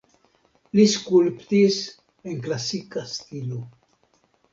Li skulptis en klasika stilo.